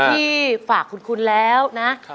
ที่ฝากคุณแล้วนะ